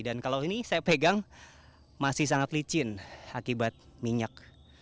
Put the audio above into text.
dan kalau ini saya pegang masih sangat licin akibat minyak